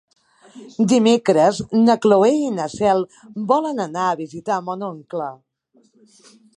Dimecres na Cloè i na Cel volen anar a visitar mon oncle.